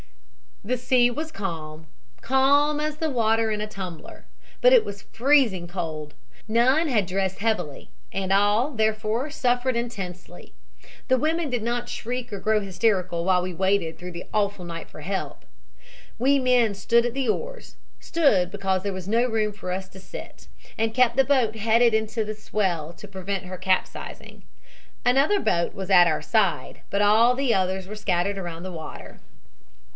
"The sea was calm calm as the water in a tumbler. But it was freezing cold. None had dressed heavily, and all, therefore, suffered intensely. The women did not shriek or grow hysterical while we waited through the awful night for help. We men stood at the oars, stood because there was no room for us to sit, and kept the boat headed into the swell to prevent her capsizing. Another boat was at our side, but all the others were scattered around the water.